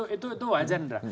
itu wajar indra